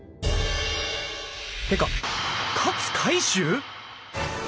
てか勝海舟！？